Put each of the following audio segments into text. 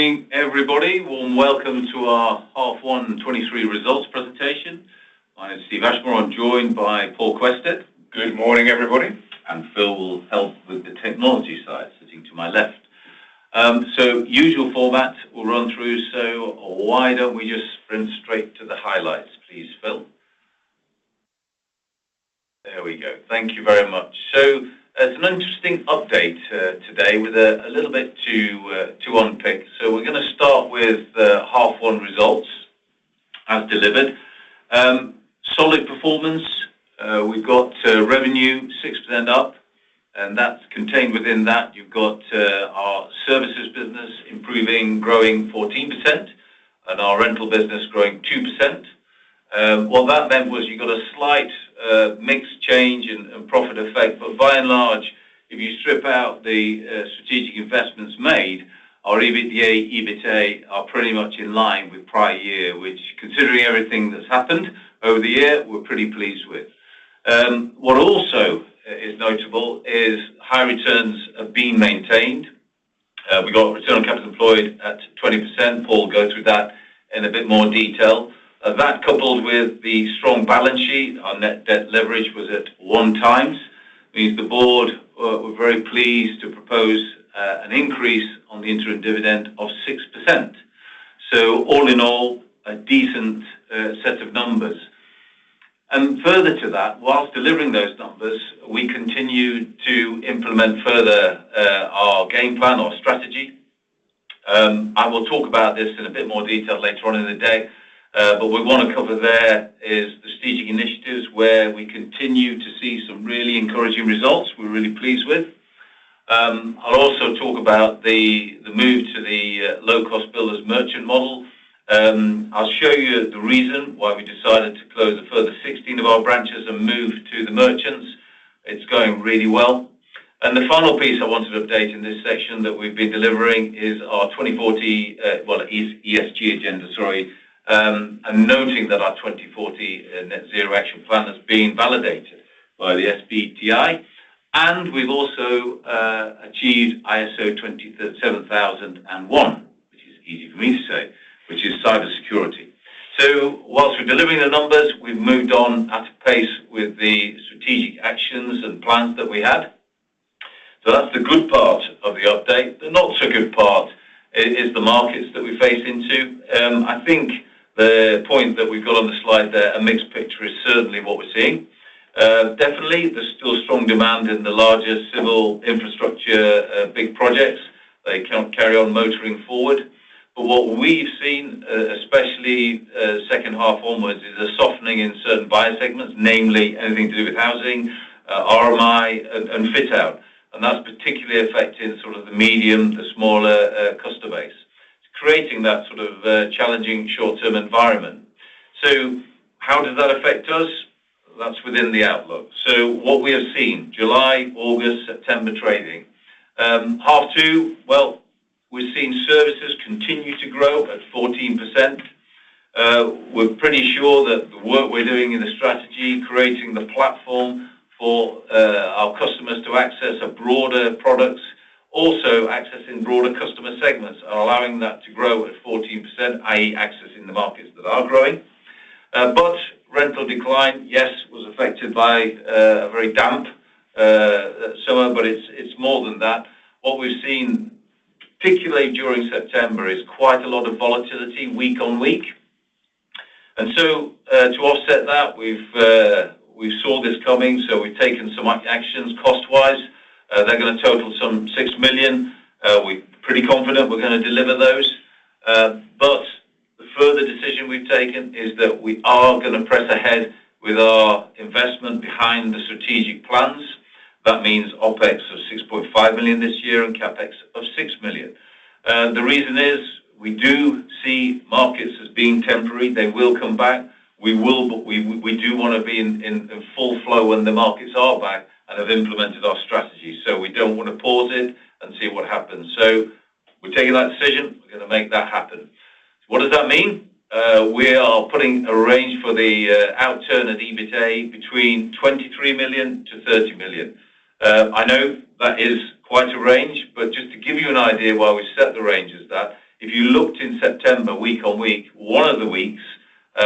Morning, everybody. Warm welcome to our H1 and 2023 results presentation. My name is Steve Ashmore. I'm joined by Paul Quested. Good morning, everybody. Phil will help with the technology side, sitting to my left. So usual format we'll run through, so why don't we just sprint straight to the highlights, please, Phil? There we go. Thank you very much. So it's an interesting update today with a little bit to unpick. So we're gonna start with the half one results as delivered. Solid performance. We've got revenue 6% up, and that's contained within that. You've got our Services business improving, growing 14%, and our Rental business growing 2%. What that meant was you got a slight mix change in profit effect. But by and large, if you strip out the strategic investments made, our EBITDA, EBITA are pretty much in line with prior year, which, considering everything that's happened over the year, we're pretty pleased with. What also is notable is high returns have been maintained. We got return on capital employed at 20%. Paul will go through that in a bit more detail. That, coupled with the strong balance sheet, our net debt leverage was at 1x. Means the board we're very pleased to propose an increase on the interim dividend of 6%. So all in all, a decent set of numbers. And further to that, while delivering those numbers, we continued to implement further our game plan, our strategy. I will talk about this in a bit more detail later on in the day, but we wanna cover there is the strategic initiatives where we continue to see some really encouraging results we're really pleased with. I'll also talk about the move to the low-cost builders merchant model. I'll show you the reason why we decided to close a further 16 of our branches and move to the merchants. It's going really well. The final piece I wanted to update in this section that we've been delivering is our 2040 ESG agenda, sorry. And noting that our 2040 Net Zero action plan has been validated by the SBTi, and we've also achieved ISO 27001, which is easy for me to say, which is cybersecurity. So while we're delivering the numbers, we've moved on at a pace with the strategic actions and plans that we had. So that's the good part of the update. The not-so-good part is the markets that we face into. I think the point that we've got on the slide there, a mixed picture, is certainly what we're seeing. Definitely, there's still strong demand in the larger civil infrastructure, big projects. They can't carry on motoring forward. But what we've seen, especially, second half onwards, is a softening in certain buyer segments, namely anything to do with housing, RMI and fit out, and that's particularly affected sort of the medium, the smaller, customer base. It's creating that sort of, challenging short-term environment. So how does that affect us? That's within the outlook. So what we have seen, July, August, September trading. Half two, well, we've seen Services continue to grow at 14%. We're pretty sure that the work we're doing in the strategy, creating the platform for, our customers to access a broader products, also accessing broader customer segments are allowing that to grow at 14%, i.e., accessing the markets that are growing. But Rental decline, yes, was affected by a very damp summer, but it's more than that. What we've seen, particularly during September, is quite a lot of volatility week on week. So, to offset that, we saw this coming, so we've taken some actions cost-wise. They're gonna total 6 million. We're pretty confident we're gonna deliver those. But the further decision we've taken is that we are gonna press ahead with our investment behind the strategic plans. That means OpEx of 6.5 million this year and CapEx of 6 million. The reason is we do see markets as being temporary. They will come back. We will, but we do wanna be in full flow when the markets are back and have implemented our strategy. So we don't wanna pause it and see what happens. So we're taking that decision, we're gonna make that happen. What does that mean? We are putting a range for the outturn and EBITA between 23 million-30 million. I know that is quite a range, but just to give you an idea why we set the range as that, if you looked in September, week-on-week, one of the weeks,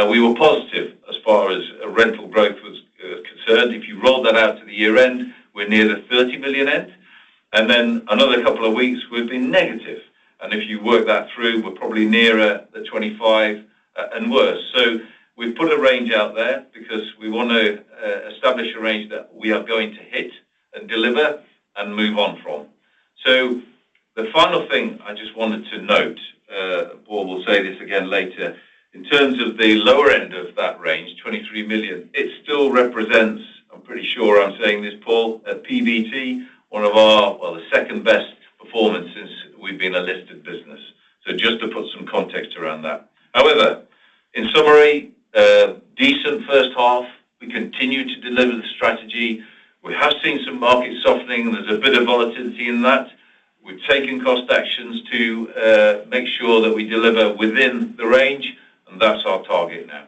we were positive as far as Rental growth was concerned. If you roll that out to the year-end, we're near the 30 million end, and then another couple of weeks, we've been negative. And if you work that through, we're probably nearer the 25 and worse. So we've put a range out there because we wanna establish a range that we are going to hit and deliver and move on from. So the final thing I just wanted to note, Paul will say this again later. In terms of the lower end of that range, 23 million, it still represents, I'm pretty sure I'm saying this, Paul, a PBT, one of our... well, the second-best performances we've been a listed business. So just to put some context around that. However, in summary, a decent first half, we continue to deliver the strategy. We have seen some market softening. There's a bit of volatility in that. We've taken cost actions to make sure that we deliver within the range, and that's our target now.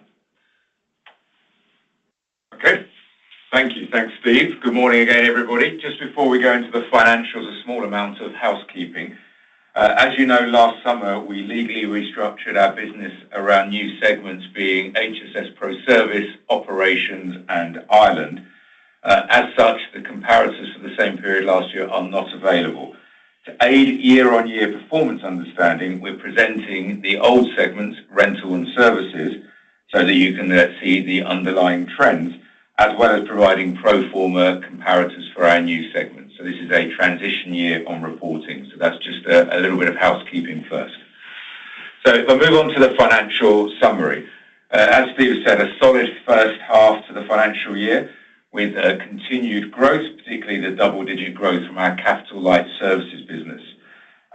Thank you. Thanks, Steve. Good morning again, everybody. Just before we go into the financials, a small amount of housekeeping. As you know, last summer, we legally restructured our business around new segments, being HSS ProService, Operations, and Ireland. As such, the comparisons for the same period last year are not available. To aid year-on-year performance understanding, we're presenting the old segments, Rental and Services, so that you can then see the underlying trends, as well as providing pro forma comparators for our new segments. So this is a transition year on reporting. So that's just a little bit of housekeeping first. So if I move on to the financial summary. As Steve said, a solid first half to the financial year, with continued growth, particularly the double-digit growth from our capital light Services business.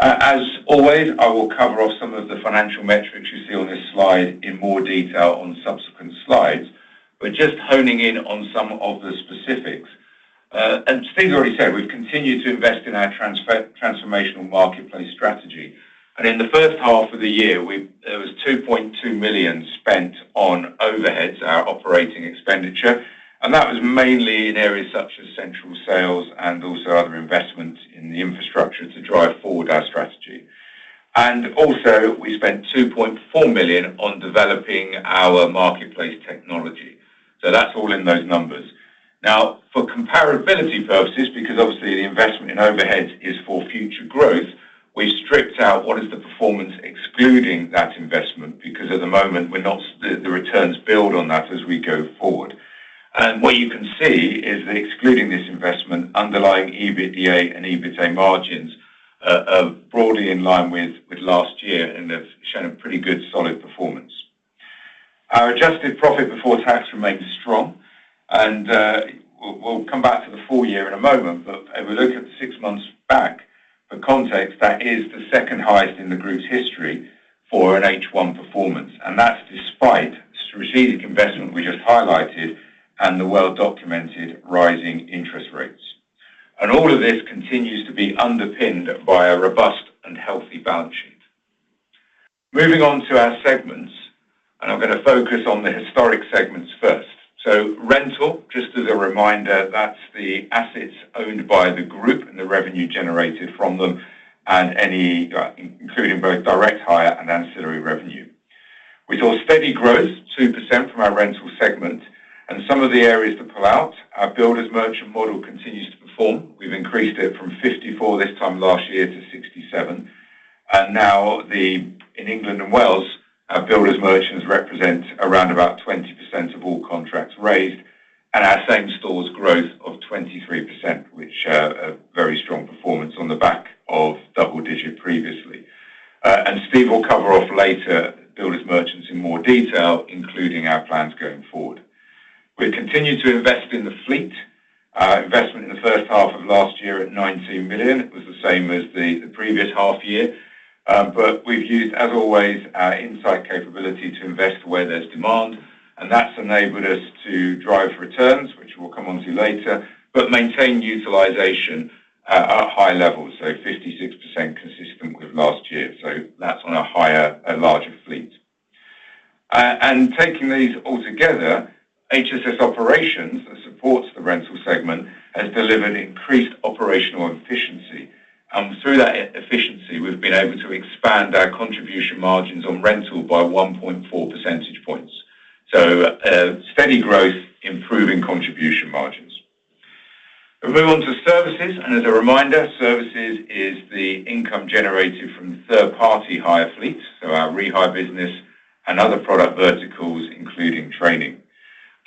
As always, I will cover off some of the financial metrics you see on this slide in more detail on subsequent slides, but just honing in on some of the specifics. And Steve already said, we've continued to invest in our transformational marketplace strategy, and in the first half of the year, there was 2.2 million spent on overheads, our operating expenditure, and that was mainly in areas such as central sales and also other investments in the infrastructure to drive forward our strategy. And also, we spent 2.4 million on developing our marketplace technology. So that's all in those numbers. Now, for comparability purposes, because obviously, the investment in overheads is for future growth, we stripped out what is the performance excluding that investment, because at the moment, we're not... The returns build on that as we go forward. What you can see is that excluding this investment, underlying EBITDA and EBITA margins are broadly in line with last year and have shown a pretty good solid performance. Our adjusted profit before tax remains strong, and we'll come back to the full year in a moment, but if we look at the six months back, for context, that is the second highest in the group's history for an H1 performance, and that's despite strategic investment we just highlighted and the well-documented rising interest rates. All of this continues to be underpinned by a robust and healthy balance sheet. Moving on to our segments, and I'm gonna focus on the historic segments first. So Rental, just as a reminder, that's the assets owned by the group and the revenue generated from them and any including both direct hire and ancillary revenue. We saw steady growth, 2% from our Rental segment, and some of the areas to pull out, our Builders Merchant model continues to perform. We've increased it from 54 this time last year to 67, and now in England and Wales, our Builders Merchants represent around about 20% of all contracts raised, and our same stores growth of 23%, which, a very strong performance on the back of double digit previously. And Steve will cover off later, Builders Merchants in more detail, including our plans going forward. We've continued to invest in the fleet. Investment in the first half of last year at 19 million, it was the same as the previous half year. But we've used, as always, our insight capability to invest where there's demand, and that's enabled us to drive returns, which we'll come onto later, but maintain utilization at high levels, so 56% consistent with last year. So that's on a higher, a larger fleet. And taking these all together, HSS Operations that supports the Rental segment, has delivered increased operational efficiency. And through that efficiency, we've been able to expand our contribution margins on Rental by 1.4 percentage points. So, steady growth, improving contribution margins. If we move on to Services, and as a reminder, Services is the income generated from third-party hire fleets, so our rehire business and other product verticals, including training.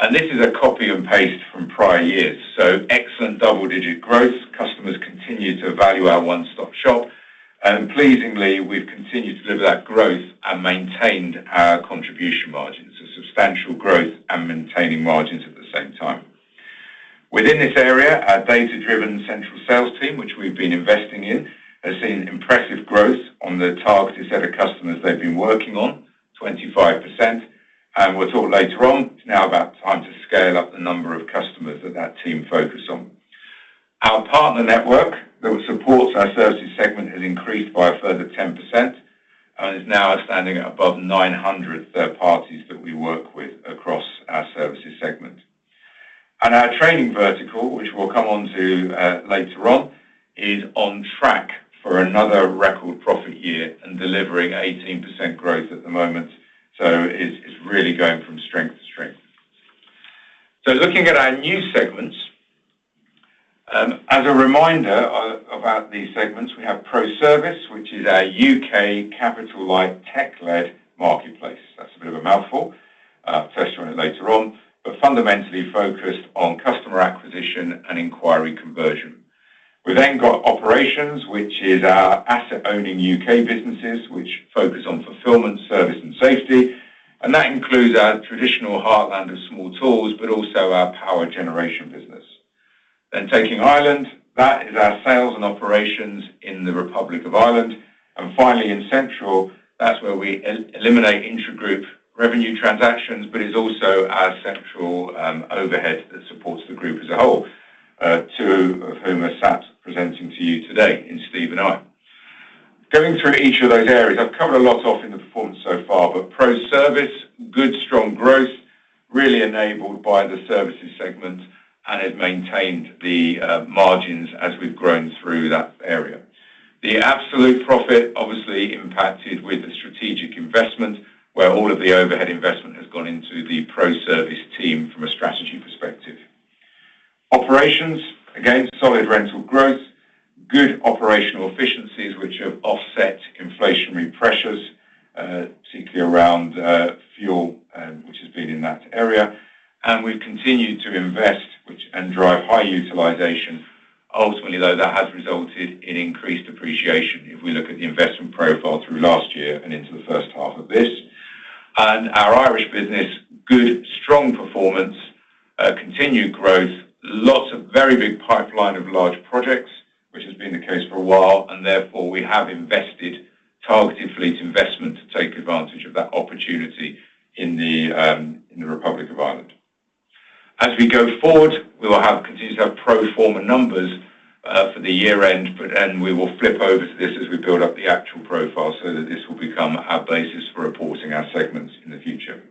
And this is a copy and paste from prior years, so excellent double-digit growth. Customers continue to value our one-stop shop, and pleasingly, we've continued to deliver that growth and maintained our contribution margins. Substantial growth and maintaining margins at the same time. Within this area, our data-driven central sales team, which we've been investing in, has seen impressive growth on the targeted set of customers they've been working on, 25%, and we'll talk later on, it's now about time to scale up the number of customers that that team focus on. Our partner network, that supports our Services segment, has increased by a further 10% and is now standing at above 900 third parties that we work with across our Services segment. Our Training vertical, which we'll come on to, later on, is on track for another record profit year and delivering 18% growth at the moment. It's really going from strength to strength. So looking at our new segments, as a reminder about these segments, we have ProService, which is our U.K. capital light, tech-led marketplace. That's a bit of a mouthful. Touch on it later on, but fundamentally focused on customer acquisition and inquiry conversion. We've then got Operations, which is our asset-owning U.K. businesses, which focus on fulfillment, service, and safety, and that includes our traditional heartland of small tools, but also our power generation business. Then taking Ireland, that is our sales and operations in the Republic of Ireland. And finally, in Central, that's where we eliminate intragroup revenue transactions, but it's also our central overheads that supports the group as a whole, two of whom are sat presenting to you today in Steve and I.... Going through each of those areas, I've covered a lot off in the performance so far, but ProService, good, strong growth, really enabled by the Services segment and has maintained the margins as we've grown through that area. The absolute profit obviously impacted with the strategic investment, where all of the overhead investment has gone into the ProService team from a strategy perspective. Operations, again, solid Rental growth, good operational efficiencies, which have offset inflationary pressures, particularly around fuel, which has been in that area. And we've continued to invest and drive high utilization. Ultimately, though, that has resulted in increased depreciation. If we look at the investment profile through last year and into the first half of this. Our Irish business, good, strong performance, continued growth, lots of very big pipeline of large projects, which has been the case for a while, and therefore, we have invested targeted fleet investment to take advantage of that opportunity in the Republic of Ireland. As we go forward, we will have, continue to have pro forma numbers for the year end, but then we will flip over to this as we build up the actual profile so that this will become our basis for reporting our segments in the future.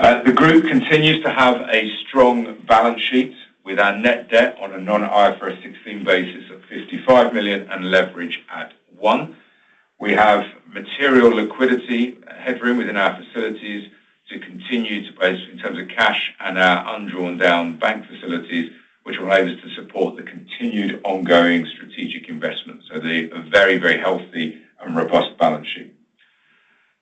The group continues to have a strong balance sheet with our net debt on a non-IFRS 16 basis of 55 million and leverage at one. We have material liquidity headroom within our facilities to continue to base in terms of cash and our undrawn down bank facilities, which will enable us to support the continued ongoing strategic investment. So they are very, very healthy and robust balance sheet.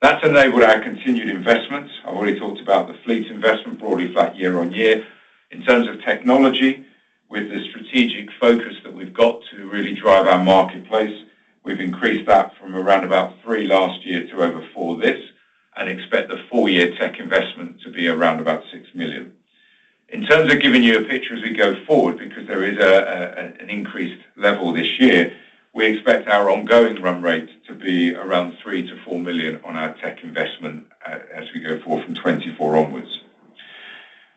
That's enabled our continued investment. I've already talked about the fleet investment, broadly flat year-on-year. In terms of technology, with the strategic focus that we've got to really drive our marketplace, we've increased that from around about 3 million last year to over 4 million this, and expect the full year tech investment to be around about 6 million. In terms of giving you a picture as we go forward, because there is a, an increased level this year, we expect our ongoing run rate to be around 3 million- 4 million on our tech investment as we go forward from 2024 onwards.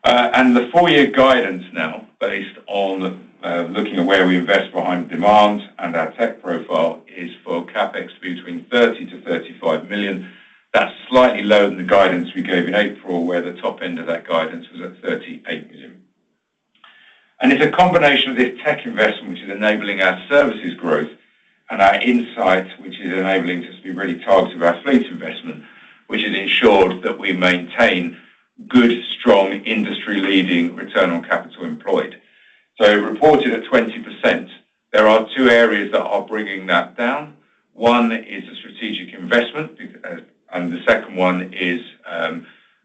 And the full year guidance now, based on looking at where we invest behind demand and our tech profile, is for CapEx to be between 30 million- 35 million. That's slightly lower than the guidance we gave in April, where the top end of that guidance was at 38 million. And it's a combination of this tech investment, which is enabling our Services growth and our insight, which is enabling us to be really targeted with our fleet investment, which has ensured that we maintain good, strong industry-leading return on capital employed. So reported at 20%, there are two areas that are bringing that down. One is the strategic investment, because, and the second one is,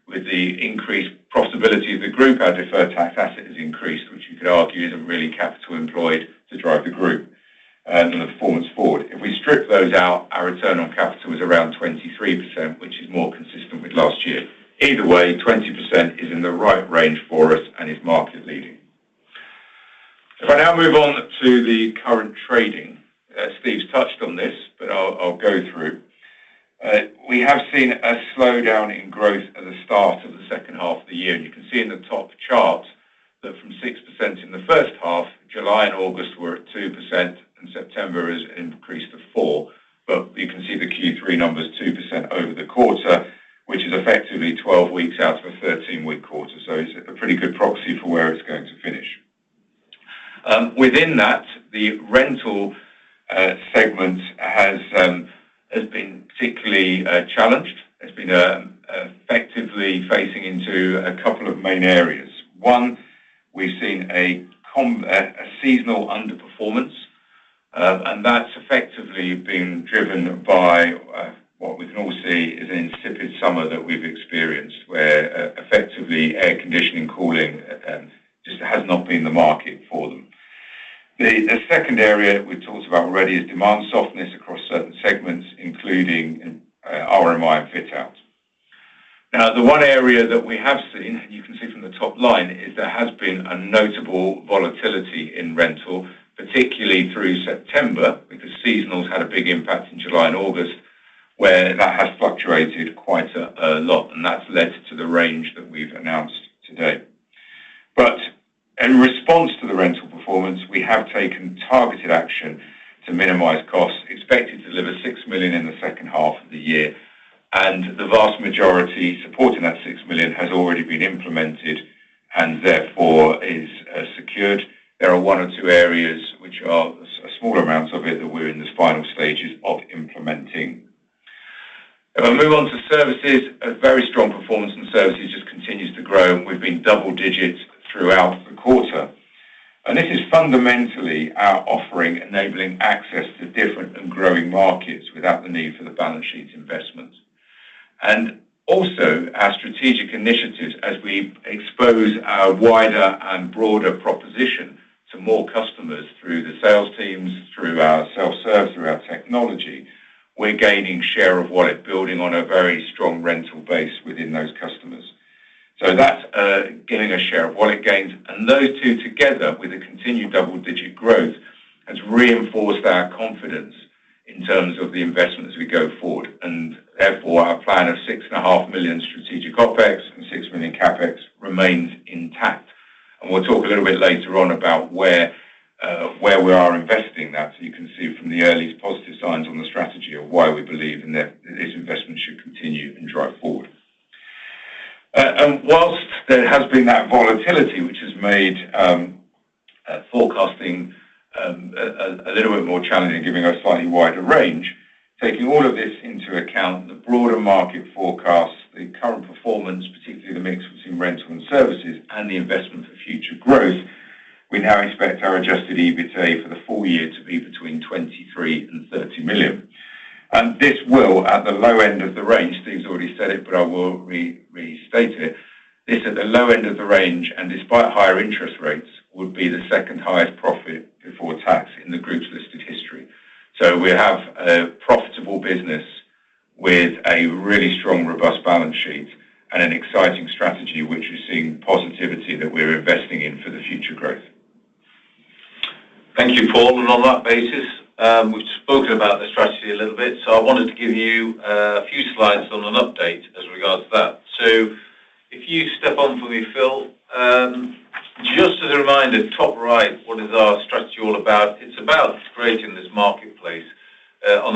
with the increased profitability of the group, our deferred tax asset has increased, which you could argue isn't really capital employed to drive the group, and the performance forward. If we strip those out, our return on capital is around 23%, which is more consistent with last year. Either way, 20% is in the right range for us and is market leading. If I now move on to the current trading, Steve's touched on this, but I'll go through. We have seen a slowdown in growth at the start of the second half of the year, and you can see in the top chart that from 6% in the first half, July and August were at 2%, and September is increased to 4%. But you can see the Q3 numbers, 2% over the quarter, which is effectively 12 weeks out of a 13-week quarter. So it's a pretty good proxy for where it's going to finish. Within that, the Rental segment has been particularly challenged. It's been effectively facing into a couple of main areas. One, we've seen a seasonal underperformance, and that's effectively been driven by what we can all see is an insipid summer that we've experienced, where effectively air conditioning and cooling just has not been the market for them. The second area, we talked about already, is demand softness across certain segments, including RMI and fit out. Now, the one area that we have seen, you can see from the top line, is there has been a notable volatility in Rental, particularly through September, because seasonal's had a big impact in July and August, where that has fluctuated quite a lot, and that's led to the range that we've announced today. But in response to the Rental performance, we have taken targeted action to minimize costs, expected to deliver 6 million in the second half of the year, and the vast majority supporting that 6 million has already been implemented and therefore is secured. There are one or two areas which are a small amount of it, that we're in the final stages of implementing. If I move on to Services, a very strong performance in Services just continues to grow, and we've been double digits throughout the quarter. And this is fundamentally our offering, enabling access to different and growing markets without the need for the balance sheet investment. And also our strategic initiatives as we expose our wider and broader proposition to more customers through the sales teams, through our self-serve, through our technology, we're gaining share of wallet, building on a very strong Rental base within those customers. So that's, giving us share of wallet gains, and those two together, with the continued double-digit growth, has reinforced our confidence in terms of the investment as we go forward. And therefore, our plan of 6.5 million strategic OpEx and 6 million CapEx remains intact. And we'll talk a little bit later on about where we are investing that. So you can see from the earliest positive signs on the strategy of why we believe in that this investment should continue and drive forward. And while there has been that volatility, which has made forecasting a little bit more challenging, giving a slightly wider range, taking all of this into account, the broader market forecast, the current performance, particularly the mix between Rental and Services and the investment for future growth, we now expect our adjusted EBITA for the full year to be between 23 million and 30 million. And this will, at the low end of the range, Steve's already said it, but I will restate it. This, at the low end of the range, and despite higher interest rates, would be the second highest profit before tax in the group's listed history. So we have a profitable business with a really strong, robust balance sheet and an exciting strategy, which is seeing positivity that we're investing in for the future growth. Thank you, Paul. And on that basis, we've spoken about the strategy a little bit, so I wanted to give you a few slides on an update as regards to that. So if you step on for me, Phil. Just as a reminder, top right, what is our strategy all about? It's about creating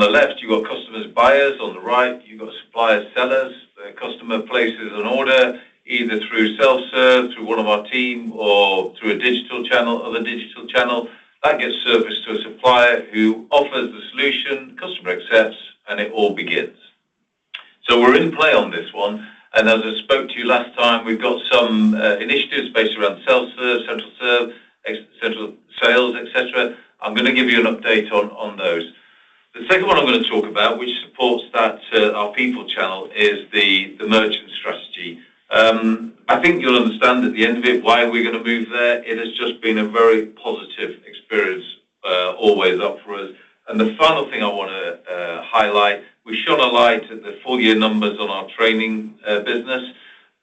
this marketplace. On the left, you got customers, buyers, on the right, you've got suppliers, sellers. The customer places an order, either through self-serve, through one of our team, or through a digital channel, other digital channel, that gets serviced to a supplier who offers the solution, customer accepts, and it all begins. So we're in play on this one, and as I spoke to you last time, we've got some initiatives based around self-serve, central serve, central sales, et cetera. I'm gonna give you an update on those. The second one I'm gonna talk about, which supports that, our people channel, is the merchant strategy. I think you'll understand at the end of it why we're gonna move there. It has just been a very positive experience all the way up for us. And the final thing I wanna highlight, we've shone a light at the full year numbers on our Training business.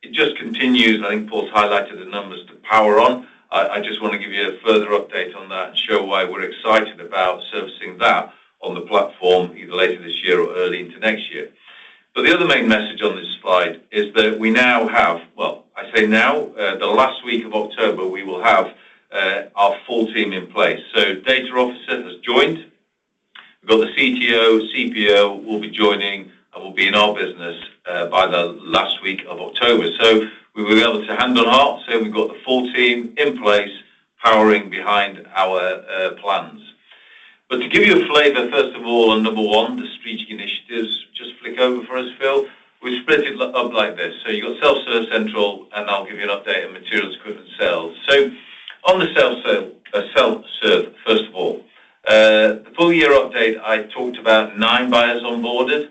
It just continues, and I think Paul's highlighted the numbers to power on. I just wanna give you a further update on that and show why we're excited about servicing that on the platform, either later this year or early into next year. But the other main message on this slide is that we now have, well, I say now, the last week of October, we will have our full team in place. So Data Officer has joined. We've got the CTO, CPO will be joining and will be in our business by the last week of October. So we will be able to hand on heart, say we've got the full team in place, powering behind our plans. But to give you a flavor, first of all, and number one, the strategic initiatives, just flick over for us, Phil. We split it up like this: so you got self-serve, central, and I'll give you an update on materials, equipment sales. So on the self-serve, self-serve, first of all, the full year update, I talked about nine buyers onboarded,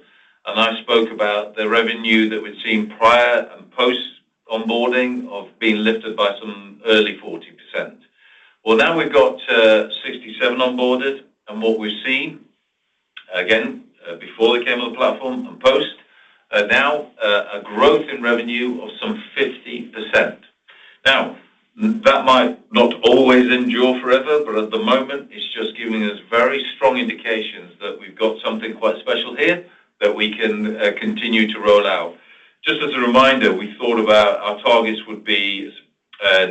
and I spoke about the revenue that we'd seen prior and post-onboarding of being lifted by some early 40%. Well, now we've got, 67 onboarded, and what we've seen, again, before they came on the platform and post, now, a growth in revenue of some 50%. Now, that might not always endure forever, but at the moment, it's just giving us very strong indications that we've got something quite special here that we can, continue to roll out. Just as a reminder, we thought about our targets would be,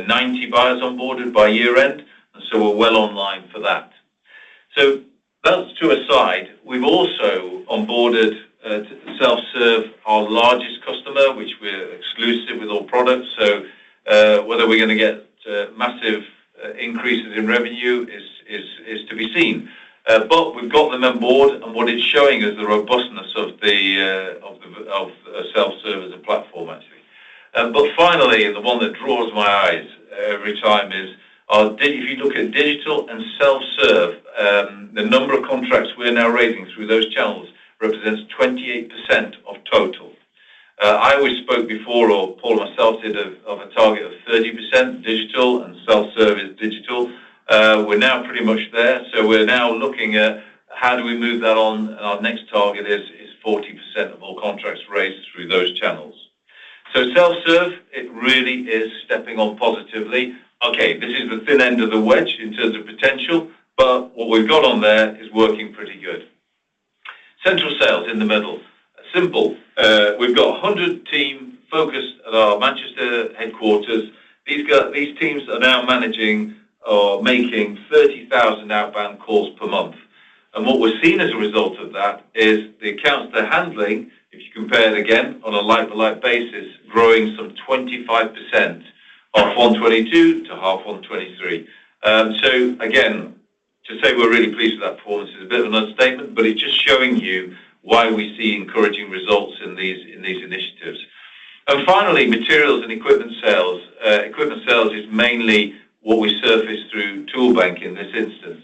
90 buyers onboarded by year-end, and so we're well online for that. So that's to aside. We've also onboarded self-serve, our largest customer, which we're exclusive with all products. So whether we're gonna get massive increases in revenue is to be seen. But we've got them on board, and what it's showing is the robustness of the self-serve as a platform, actually. But finally, the one that draws my eyes every time is if you look at digital and self-serve, the number of contracts we're now raising through those channels represents 28% of total. I always spoke before, or Paul and myself, did of a target of 30% digital and self-service digital. We're now pretty much there, so we're now looking at how do we move that on, and our next target is 40% of all contracts raised through those channels. So self-serve, it really is stepping on positively. Okay, this is the thin end of the wedge in terms of potential, but what we've got on there is working pretty good. Central sales in the middle. Simple. We've got a 100 team focused at our Manchester headquarters. These teams are now managing or making 30,000 outbound calls per month. And what we've seen as a result of that is the accounts they're handling, if you compare it again on a like-for-like basis, growing some 25%, H1 2022 to H1 2023. So again, to say we're really pleased with that performance is a bit of an understatement, but it's just showing you why we see encouraging results in these, in these initiatives. And finally, materials and equipment sales. Equipment sales is mainly what we surface through Toolbank in this instance.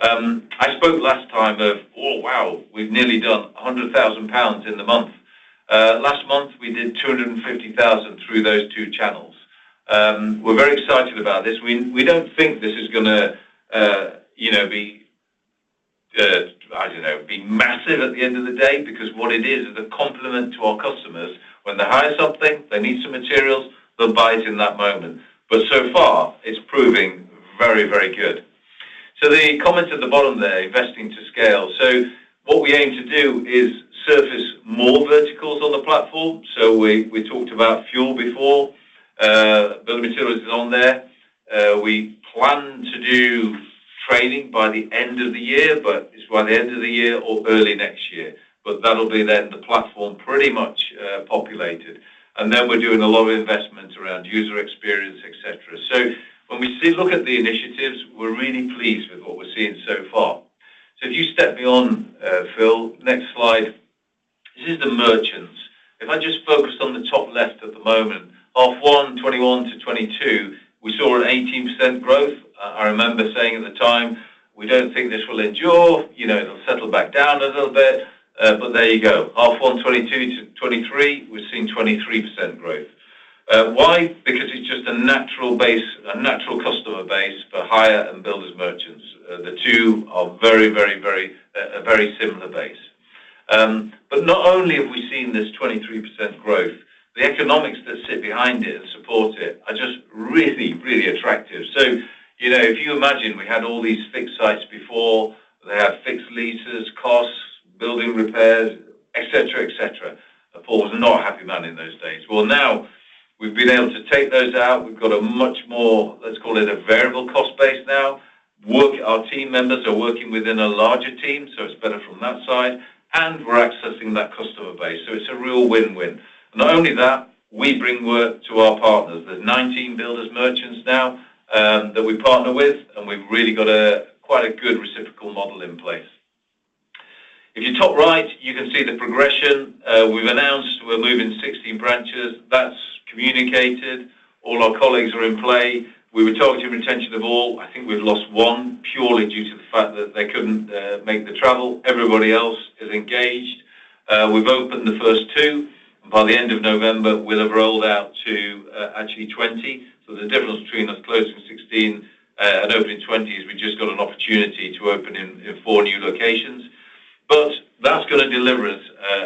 I spoke last time of, oh, wow, we've nearly done 100,000 pounds in the month. Last month, we did 250,000 through those two channels. We're very excited about this. We, we don't think this is gonna, you know, be, I don't know, be massive at the end of the day, because what it is, is a complement to our customers. When they hire something, they need some materials, they'll buy it in that moment. But so far, it's proving very, very good. So the comment at the bottom there, investing to scale. So what we aim to do is surface more verticals on the platform. So we, we talked about fuel before, building materials is on there. We plan to do training by the end of the year, but it's by the end of the year or early next year. But that'll be then the platform pretty much populated. And then we're doing a lot of investments around user experience, etc. So when we look at the initiatives, we're really pleased with what we're seeing so far. So if you step beyond, Phil, next slide. This is the merchants. If I just focused on the top left at the moment, from 2021-2022, we saw an 18% growth. I remember saying at the time, we don't think this will endure, you know, it'll settle back down a little bit, but there you go. From 2022-2023, we've seen 23% growth. Why? Because it's just a natural base, a natural customer base for hire and Builders Merchants. The two are very, very, very a very similar base. But not only have we seen this 23% growth, the economics that sit behind it and support it are just really, really attractive. So, you know, if you imagine we had all these fixed sites before, they have fixed leases, costs, building repairs, etc., etc. Paul was not a happy man in those days. Well, now we've been able to take those out. We've got a much more, let's call it, a variable cost base now. Our team members are working within a larger team, so it's better from that side, and we're accessing that customer base, so it's a real win-win. Not only that, we bring work to our partners. There's 19 Builders Merchants now that we partner with, and we've really got a quite a good reciprocal model in place. If you top right, you can see the progression. We've announced we're moving 16 branches. That's communicated. All our colleagues are in play. We were talking to retention of all. I think we've lost one purely due to the fact that they couldn't make the travel. Everybody else is engaged. We've opened the first two, and by the end of November, we'll have rolled out to actually 20. So the difference between us closing 16 and opening 20 is we just got an opportunity to open in four new locations. But that's gonna deliver us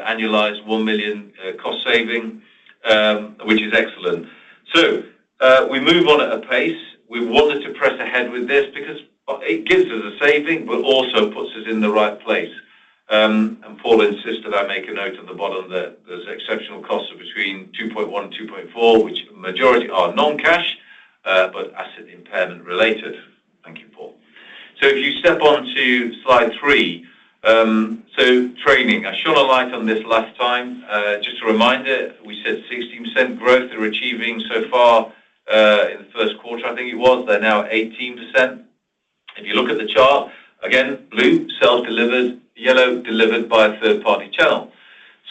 annualized 1 million cost saving, which is excellent. So, we move on at a pace. We wanted to press ahead with this because it gives us a saving, but also puts us in the right place. And Paul insisted I make a note on the bottom that there's exceptional costs of between 2.1 and 2.4, which majority are non-cash, but asset impairment related. Thank you, Paul. So if you step on to slide three. So Training, I shone a light on this last time. Just a reminder, we said 16% growth they're achieving so far in the first quarter, I think it was. They're now at 18%. If you look at the chart, again, blue, self-delivered, yellow, delivered by a third-party channel.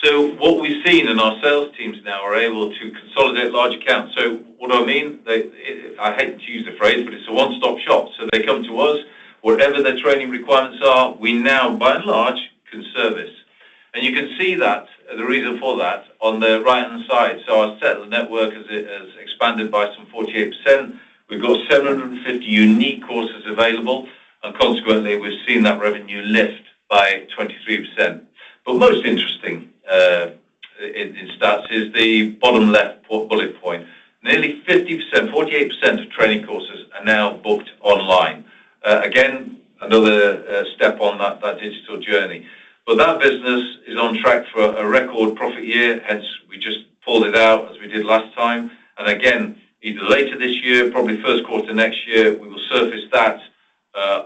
So what we've seen in our sales teams now are able to consolidate large accounts. So what do I mean? They-- I hate to use the phrase, but it's a one-stop shop. They come to us, whatever their training requirements are, we now, by and large, can service. And you can see that, the reason for that, on the right-hand side. So as I said, the network has expanded by some 48%. We've got 750 unique courses available, and consequently, we've seen that revenue lift by 23%. But most interesting in stats is the bottom left bullet point. Nearly 50%, 48% of training courses are now booked online. Again, another step on that digital journey. But that business is on track for a record profit year, hence, we just pulled it out as we did last time. Again, either later this year, probably first quarter next year, we will surface that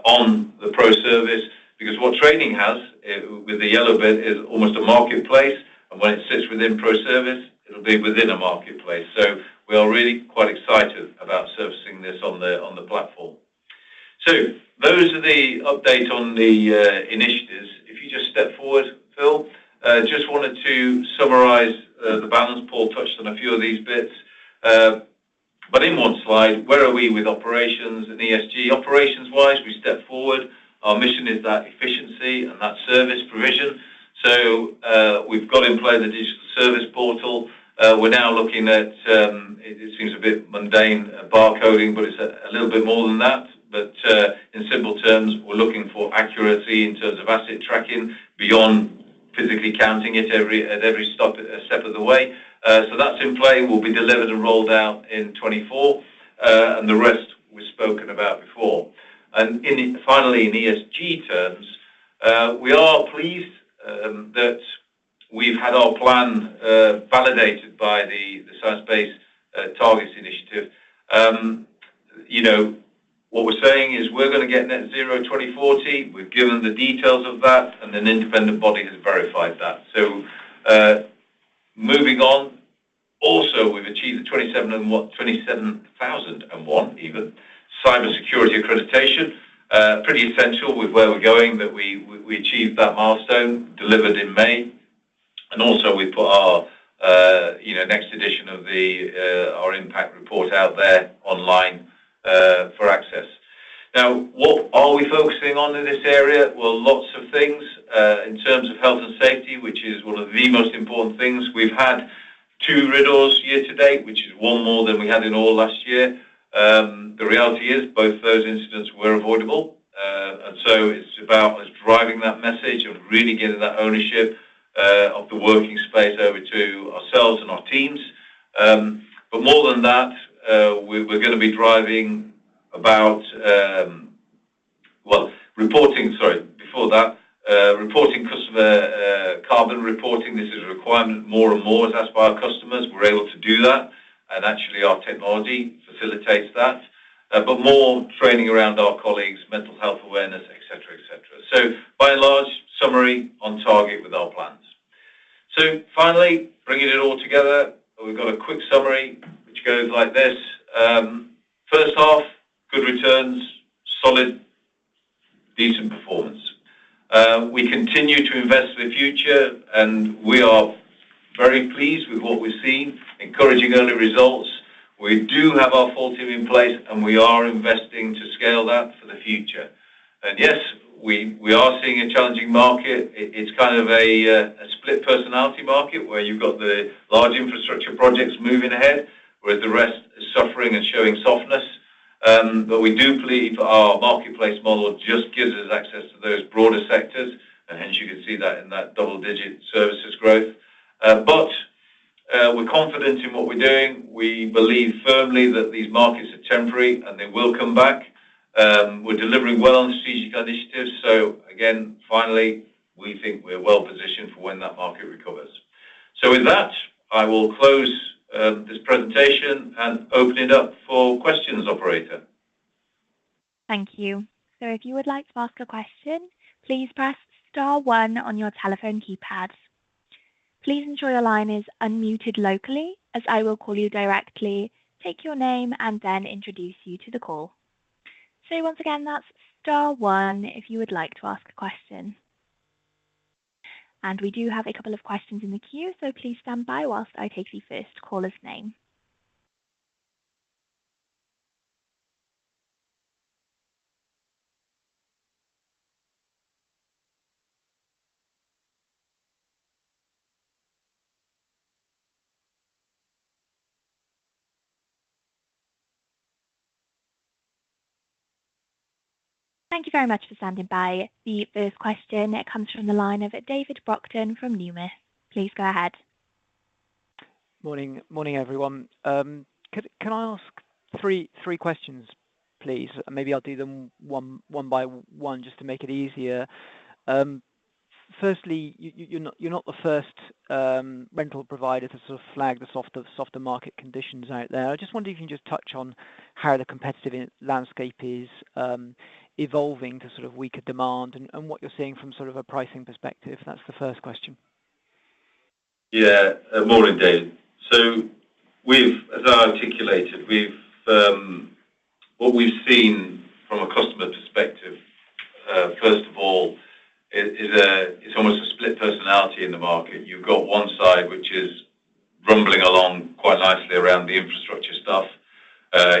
on the ProService, because what Training has with the yellow bit is almost a marketplace, and when it sits within ProService, it'll be within a marketplace. So we are really quite excited about servicing this on the platform. So those are the update on the initiatives. If you just step forward, Phil, just wanted to summarize the balance. Paul touched on a few of these bits, but in one slide, where are we with operations and ESG? Operations-wise, we step forward. Our mission is that efficiency and that service provision. So we've got in play the digital service portal. We're now looking at it seems a bit mundane, barcoding, but it's a little bit more than that. But in simple terms, we're looking for accuracy in terms of asset tracking, beyond physically counting it every, at every step of the way. So that's in play, will be delivered and rolled out in 2024, and the rest we've spoken about before. And finally, in ESG terms, we are pleased that we've had our plan validated by the Science Based Targets initiative. You know, what we're saying is we're gonna get Net Zero 2040. We've given the details of that, and an independent body has verified that. So, moving on. Also, we've achieved the ISO 27001 cybersecurity accreditation, pretty essential with where we're going, that we achieved that milestone delivered in May. Also, we put our, you know, next edition of the, our impact report out there online, for access. Now, what are we focusing on in this area? Well, lots of things, in terms of health and safety, which is one of the most important things. We've had two RIDDOR year to date, which is one more than we had in all last year. The reality is, both those incidents were avoidable. And so it's about us driving that message of really getting that ownership, of the working space over to ourselves and our teams. But more than that, we're gonna be driving about, well, reporting. Sorry, before that, reporting customer carbon reporting, this is a requirement more and more as asked by our customers. We're able to do that, and actually, our technology facilitates that. But more training around our colleagues, mental health awareness, et cetera. So, by and large, summary on target with our plans. So finally, bringing it all together, we've got a quick summary, which goes like this: First off, good returns, solid, decent performance. We continue to invest in the future, and we are very pleased with what we're seeing, encouraging early results. We do have our full team in place, and we are investing to scale that for the future. Yes, we are seeing a challenging market. It's kind of a split personality market where you've got the large infrastructure projects moving ahead, whereas the rest is suffering and showing softness. But we do believe our marketplace model just gives us access to those broader sectors, and hence, you can see that in that double-digit Services growth. But, we're confident in what we're doing. We believe firmly that these markets are temporary, and they will come back. We're delivering well on strategic initiatives, so again, finally, we think we're well-positioned for when that market recovers. So with that, I will close this presentation and open it up for questions, operator. Thank you. So if you would like to ask a question, please press star one on your telephone keypad. Please ensure your line is unmuted locally, as I will call you directly, take your name, and then introduce you to the call. So once again, that's star one if you would like to ask a question. And we do have a couple of questions in the queue, so please stand by whilst I take the first caller's name. Thank you very much for standing by. The first question, it comes from the line of David McCann from Numis. Please go ahead. Morning, morning, everyone. Can I ask three questions, please? Maybe I'll do them one by one just to make it easier. Firstly, you're not the first Rental provider to sort of flag the softer market conditions out there. I just wonder if you can just touch on how the competitive landscape is evolving to sort of weaker demand and what you're seeing from sort of a pricing perspective. That's the first question. Yeah. Morning, David. So we've, as I articulated, we've... What we've seen from a customer perspective, first of all, is it's almost a split personality in the market. You've got one side, which is rumbling along quite nicely around the infrastructure stuff,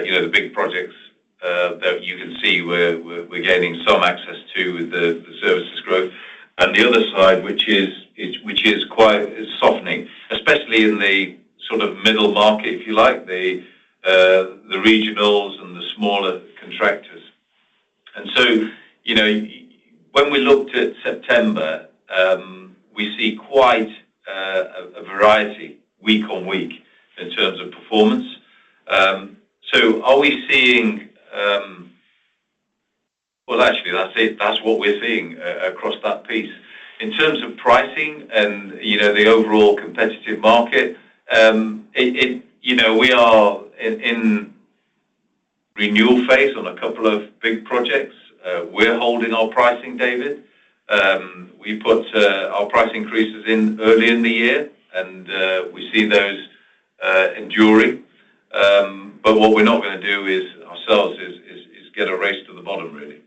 you know, the big projects, that you can see we're gaining some access to the Services growth. And the other side, which is quite softening, especially in the sort of middle market, if you like, the regionals and the smaller contractors. And so, you know, when we looked at September, we see quite a variety week on week in terms of performance. So are we seeing... Well, actually, that's it. That's what we're seeing across that piece. In terms of pricing and, you know, the overall competitive market, it, you know, we are in renewal phase on a couple of big projects. We're holding our pricing, David. We put our price increases in early in the year, and we see those enduring. What we're not gonna do ourselves is get a race to the bottom, really.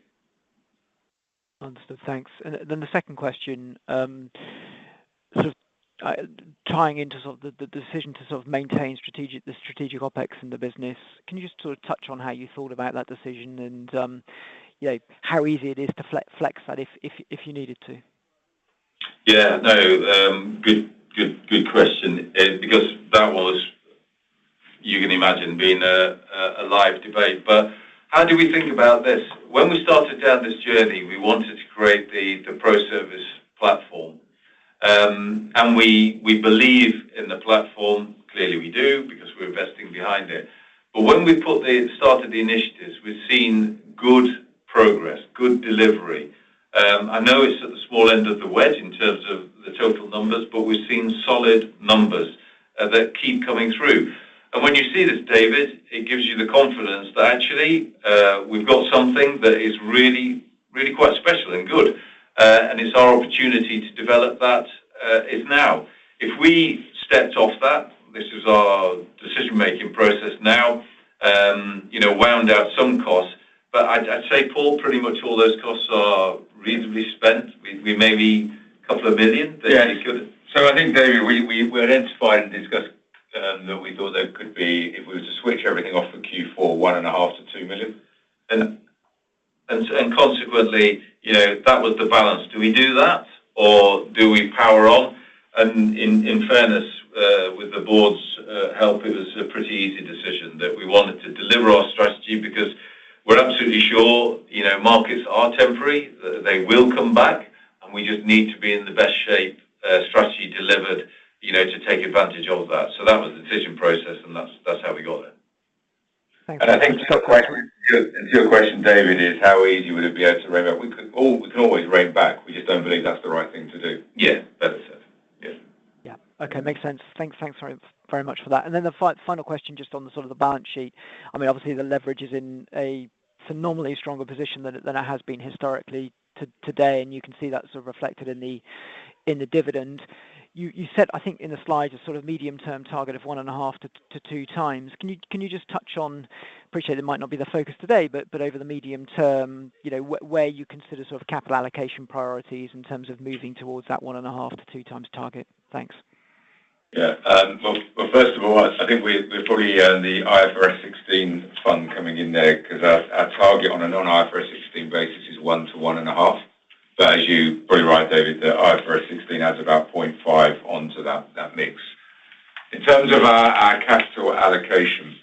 Understood. Thanks. And then the second question, sort of tying into the decision to sort of maintain the strategic OpEx in the business, can you just sort of touch on how you thought about that decision and, you know, how easy it is to flex that if you needed to? Yeah, no, good, good, good question because that was, you can imagine, being a live debate. But how do we think about this? When we started down this journey, we wanted to create the ProService platform. And we believe in the platform. Clearly, we do because we're investing behind it. But when we started the initiatives, we've seen good progress, good delivery. I know it's at the small end of the wedge in terms of the total numbers, but we've seen solid numbers that keep coming through. And when you see this, David, it gives you the confidence that actually, we've got something that is really, really quite special and good, and it's our opportunity to develop that is now. If we stepped off that, this is our decision-making process now, you know, wound out some costs, but I'd say, Paul, pretty much all those costs are reasonably spent. We maybe 2 million? Yeah. So I think, David, we identified and discussed that we thought there could be, if we were to switch everything off for Q4, 1.5 million- 2 million. Consequently, you know, that was the balance. Do we do that, or do we power on? And in fairness, with the board's help, it was a pretty easy decision that we wanted to deliver our strategy because we're absolutely sure, you know, markets are temporary, that they will come back.... and we just need to be in the best shape, strategy delivered, you know, to take advantage of that. So that was the decision process, and that's, that's how we got there. Thanks. I think to your question, David, is how easy would it be able to rein back? We could all -- we can always rein back. We just don't believe that's the right thing to do. Yeah, better said. Yeah. Yeah. Okay, makes sense. Thanks, thanks very, very much for that. And then the final question, just on the sort of the balance sheet. I mean, obviously, the leverage is in a phenomenally stronger position than it, than it has been historically to today, and you can see that sort of reflected in the, in the dividend. You said, I think in the slide, a sort of medium-term target of 1.5x-2x. Can you just touch on, appreciate it might not be the focus today, but over the medium term, you know, where you consider sort of capital allocation priorities in terms of moving towards that 1.5x-2x target? Thanks. Yeah. Well, first of all, I think we're probably the IFRS 16 from coming in there because our target on a non-IFRS 16 basis is 1x-1.5x. But as you probably right, David, the IFRS 16 adds about 0.5x onto that mix. In terms of our capital allocation,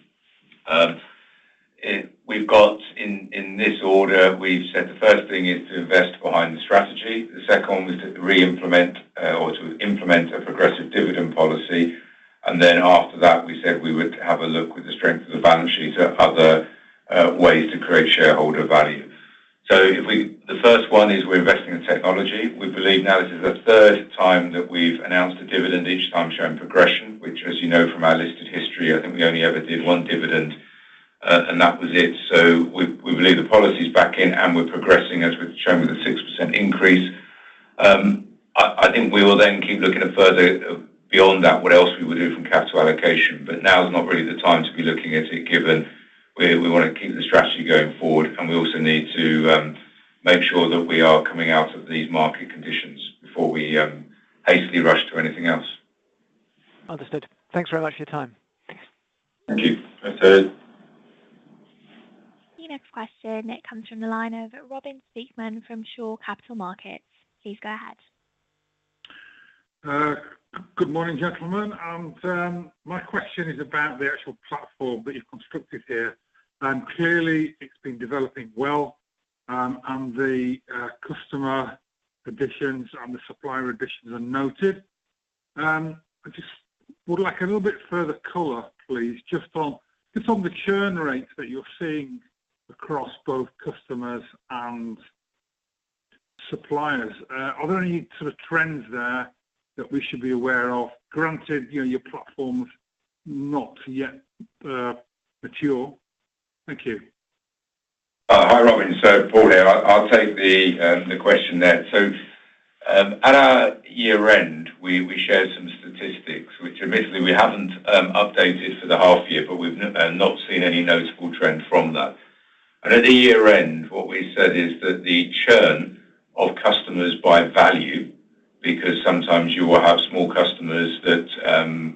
it. We've got in this order, we've said the first thing is to invest behind the strategy. The second one is to re-implement or to implement a progressive dividend policy. And then after that, we said we would have a look with the strength of the balance sheet at other ways to create shareholder value. So the first one is we're investing in technology. We believe now this is the third time that we've announced a dividend, each time showing progression, which, as you know from our listed history, I think we only ever did one dividend, and that was it. So we, we believe the policy's back in, and we're progressing, as we've shown, with a 6% increase. I, I think we will then keep looking at further beyond that, what else we would do from capital allocation. But now is not really the time to be looking at it, given we, we wanna keep the strategy going forward, and we also need to make sure that we are coming out of these market conditions before we hastily rush to anything else. Understood. Thanks very much for your time. Thank you. Thanks, David. The next question, it comes from the line of Robin Speakman from Shore Capital Markets. Please go ahead. Good morning, gentlemen. And my question is about the actual platform that you've constructed here. Clearly, it's been developing well, and the customer additions and the supplier additions are noted. I just would like a little bit further color, please, just on, just on the churn rates that you're seeing across both customers and suppliers. Are there any sort of trends there that we should be aware of? Granted, you know, your platform's not yet mature. Thank you. Hi, Robin. So Paul here. I'll take the question there. So, at our year-end, we shared some statistics, which admittedly we haven't updated for the half year, but we've not seen any noticeable trend from that. At the year-end, what we said is that the churn of customers by value, because sometimes you will have small customers that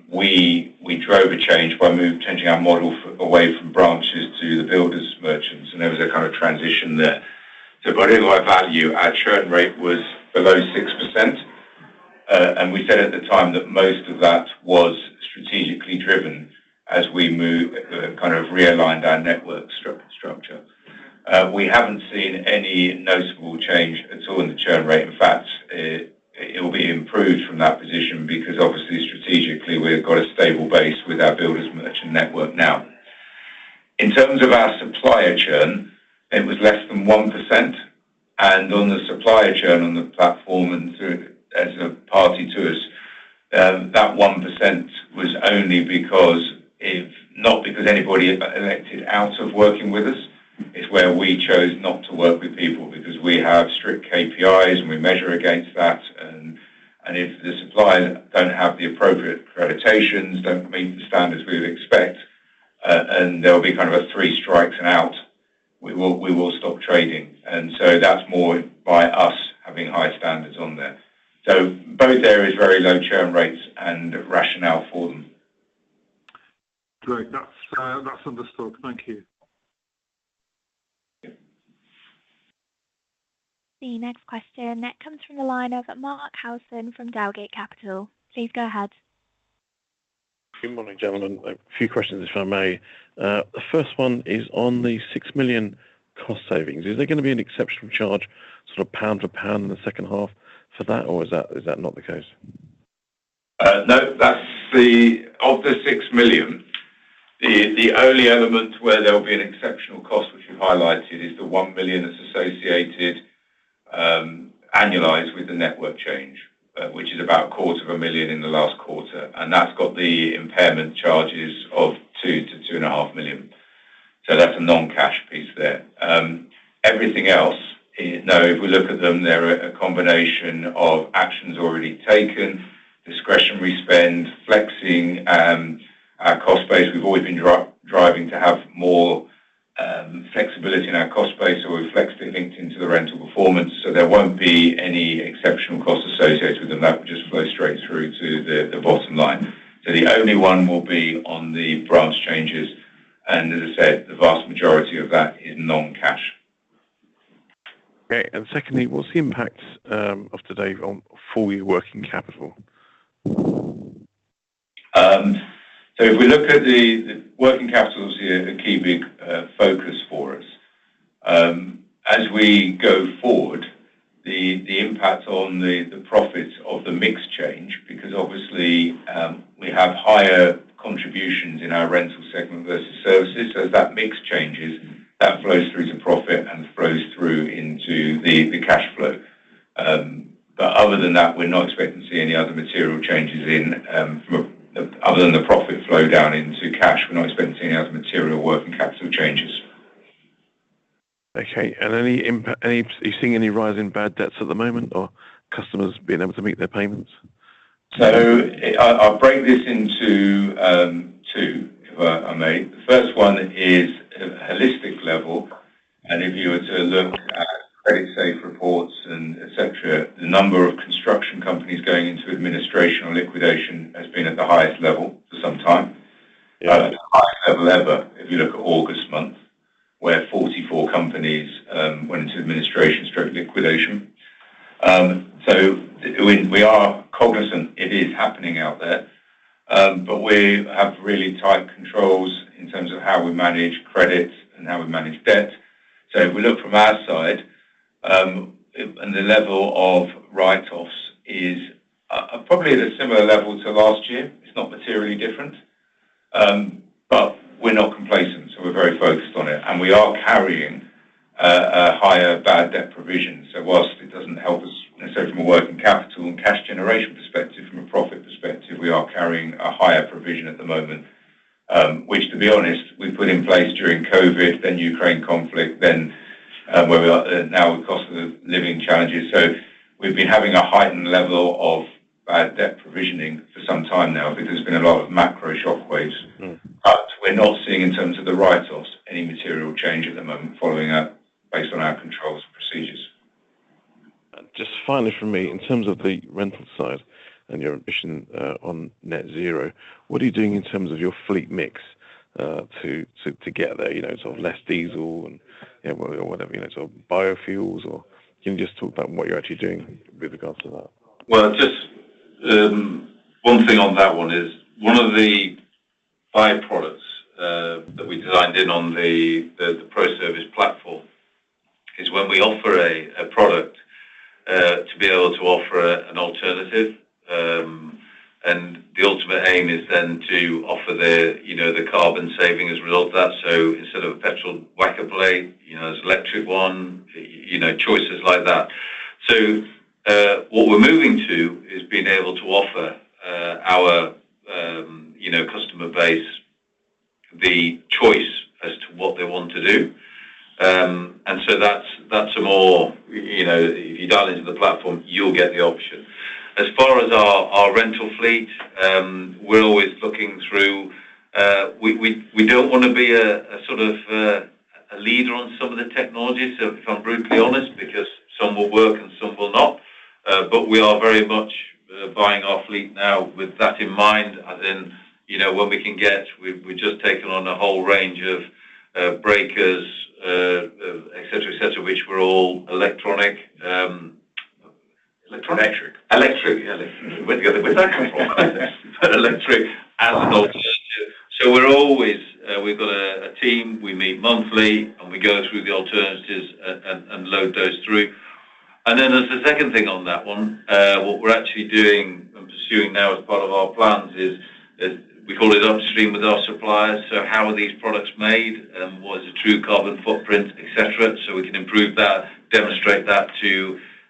we drove a change by move, changing our model away from branches to the Builders Merchants, and there was a kind of transition there. So by value, our churn rate was below 6%, and we said at the time that most of that was strategically driven as we move kind of realigned our network structure. We haven't seen any noticeable change at all in the churn rate. In fact, it will be improved from that position because obviously, strategically, we've got a stable base with our Builders Merchant network now. In terms of our supplier churn, it was less than 1%, and on the supplier churn on the platform and through as a party to us, that 1% was only because not because anybody had elected out of working with us, it's where we chose not to work with people because we have strict KPIs, and we measure against that. And if the supplier don't have the appropriate accreditations, don't meet the standards we would expect, and there will be kind of a three strikes and out, we will stop trading. And so that's more by us having high standards on there. So both areas, very low churn rates and rationale for them. Great. That's, that's understood. Thank you. Yeah. The next question, that comes from the line of Mark Howson from Dowgate Capital. Please go ahead. Good morning, gentlemen. A few questions, if I may. The first one is on the 6 million cost savings. Is there gonna be an exceptional charge, sort of pound to pound in the second half for that, or is that, is that not the case? No, that's the of the 6 million, the only element where there will be an exceptional cost, which you highlighted, is the 1 million that's associated, annualized with the network change, which is about 0.25 million in the last quarter, and that's got the impairment charges of 2 million-2.5 million. So that's a non-cash piece there. Everything else, no, if we look at them, they're a combination of actions already taken, discretionary spend, flexing, our cost base. We've always been driving to have more, flexibility in our cost base, so we've flexed it linked into the Rental performance, so there won't be any exceptional costs associated with them. That would just flow straight through to the, the bottom line. The only one will be on the branch changes, and as I said, the vast majority of that is non-cash. Okay. And secondly, what's the impact of today on full year working capital? So if we look at the working capital is a key big focus for us. As we go forward, the impact on the profits of the mix change, because obviously, we have higher contributions in our Rental Segment versus Services. So as that mix changes, that flows through to profit and flows through into the cash flow. But other than that, we're not expecting to see any other material changes in from other than the profit flow down into cash, we're not expecting any other material working capital changes. Okay. And any impact, any, are you seeing any rise in bad debts at the moment, or customers being able to meet their payments? I'll break this into two, if I may. The first one is a holistic level, and if you were to look at Creditsafe reports and et cetera, the number of construction companies going into administration or liquidation has been at the highest level for some time. Yeah. The highest level ever, if you look at August month, where 44 companies went into administration/liquidation. So we are cognizant it is happening out there. But we have really tight controls in terms of how we manage credit and how we manage debt. So if we look from our side, and the level of write-offs is probably at a similar level to last year, it's not materially different. But we're not complacent, so we're very focused on it, and we are carrying a higher bad debt provision. So whilst it doesn't help us, from a working capital and cash generation perspective, from a profit perspective, we are carrying a higher provision at the moment. Which, to be honest, we put in place during COVID, then Ukraine conflict, then where we are now with cost of living challenges. We've been having a heightened level of bad debt provisioning for some time now because there's been a lot of macro shock waves. Mm. But we're not seeing, in terms of the write-offs, any material change at the moment following that based on our controls and procedures. Just finally from me, in terms of the Rental side and your ambition on net zero, what are you doing in terms of your fleet mix to get there? You know, sort of less diesel and, you know, or whatever, you know, so biofuels, or can you just talk about what you're actually doing with regards to that? Well, just one thing on that one is one of the byproducts that we designed in on the ProService platform is when we offer a product to be able to offer an alternative, and the ultimate aim is then to offer you know the carbon saving as a result of that. So instead of a petrol Wacker plate, you know, there's electric one, you know, choices like that. So what we're moving to is being able to offer our you know customer base the choice as to what they want to do. And so that's a more, you know, if you dial into the platform, you'll get the option. As far as our Rental fleet, we're always looking through. We don't wanna be a sort of a leader on some of the technologies, so if I'm brutally honest, because some will work and some will not. But we are very much buying our fleet now with that in mind, and then, you know, when we can get, we've just taken on a whole range of breakers, et cetera, et cetera, which were all electronic, electronic- Electric. Electric, yeah. Where did that come from? Electric as an alternative. So we're always, we've got a team, we meet monthly, and we go through the alternatives and load those through. And then there's a second thing on that one. What we're actually doing and pursuing now as part of our plans is we call it upstream with our suppliers. So how are these products made, what is the true carbon footprint, et cetera? So we can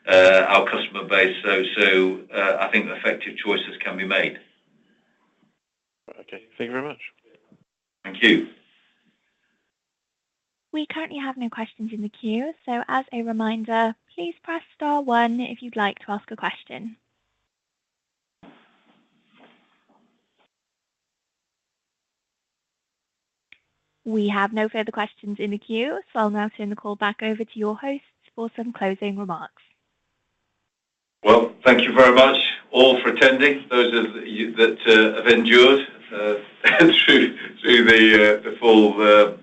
improve that, demonstrate that to our customer base. So, I think effective choices can be made. Okay. Thank you very much. Thank you. We currently have no questions in the queue, so as a reminder, please press star one if you'd like to ask a question. We have no further questions in the queue, so I'll now turn the call back over to your hosts for some closing remarks. Well, thank you very much all for attending, those of you that have endured through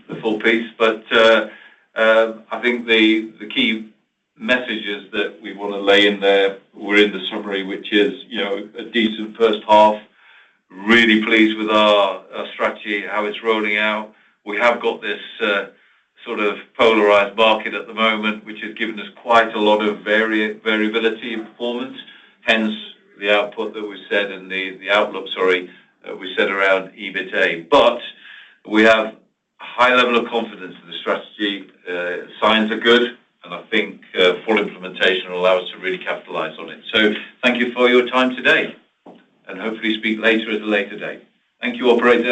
the full piece. But I think the key messages that we wanna lay in there were in the summary, which is, you know, a decent first half. Really pleased with our strategy, how it's rolling out. We have got this sort of polarized market at the moment, which has given us quite a lot of variability in performance, hence the output that we said and the outlook, sorry, that we said around EBITA. But we have a high level of confidence in the strategy. Signs are good, and I think full implementation will allow us to really capitalize on it. So thank you for your time today, and hopefully speak later at a later date. Thank you, operator.